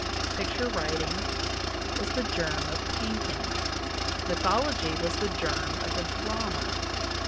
... Picture writing was the germ of paint ing. ... Mythology was the germ of the drama.